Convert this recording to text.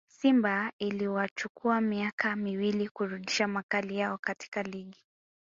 simba iliwachukua miaka miwili kurudisha makali yao katika ligi